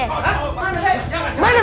hah mana nek